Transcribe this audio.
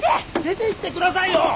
出ていってくださいよ！